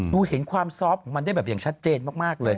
ดูเห็นความซอฟต์ของมันได้แบบอย่างชัดเจนมากเลย